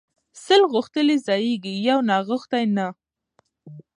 ـ سل غوښتلي ځايږي يو ناغښتى نه.